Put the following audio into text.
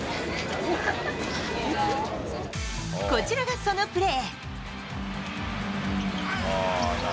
こちらがそのプレー。